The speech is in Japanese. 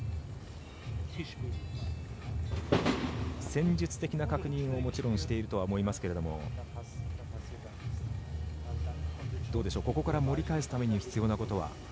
戦術的な確認ももちろんしているとは思いますけどもどうでしょう、ここから盛り返すために必要なことは。